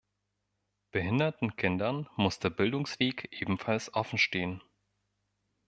Behinderten Kindern muss der Bildungsweg ebenfalls offen stehen.